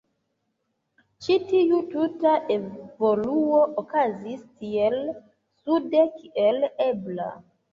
Ĉi tiu tuta evoluo okazis tiel sude kiel ebla.